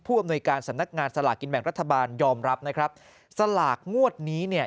อำนวยการสำนักงานสลากกินแบ่งรัฐบาลยอมรับนะครับสลากงวดนี้เนี่ย